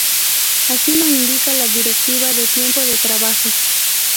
Así lo indica la Directiva de Tiempo de Trabajo.